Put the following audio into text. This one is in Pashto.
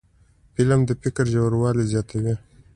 فلم د فکر ژوروالی زیاتوي